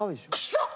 臭っ！